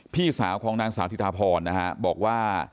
พี่สาวของนางสาวธิธาพรนะฮะบอกว่า